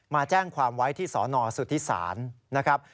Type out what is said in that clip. มาแจ้งความไว้ที่สนสุธิศาลนะครับ